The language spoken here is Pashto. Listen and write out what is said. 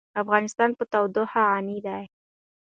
افغانستان په تودوخه غني دی.